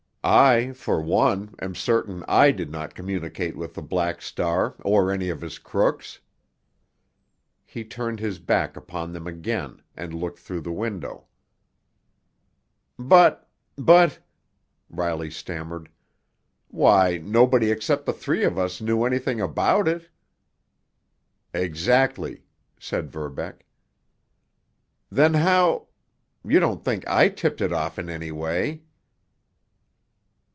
I, for one, am certain I did not communicate with the Black Star or any of his crooks." He turned his back upon them again, and looked through the window. "But—but——" Riley stammered. "Why, nobody except the three of us knew anything about it!" "Exactly!" said Verbeck. "Then how—— You don't think I tipped it off in any way?"